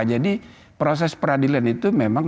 jadi proses peradilan itu memang